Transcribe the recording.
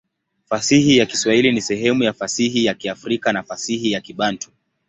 Fasihi ya Kiswahili ni sehemu ya fasihi ya Kiafrika na fasihi ya Kibantu.